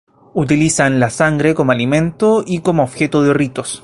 Utilizan la sangre como alimento y como objeto de ritos.